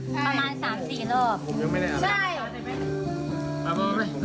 ประมาณสามสี่รอบ